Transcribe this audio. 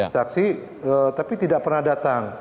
saksi tapi tidak pernah datang